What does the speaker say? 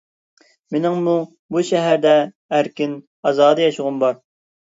مېنىڭمۇ بۇ شەھەردە ئەركىن-ئازادە ياشىغۇم بار.